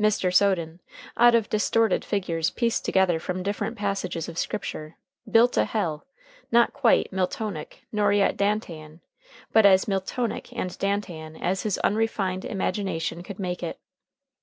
Mr. Soden, out of distorted figures pieced together from different passages of Scripture, built a hell, not quite, Miltonic, nor yet Dantean, but as Miltonic and Dantean as his unrefined imagination could make it.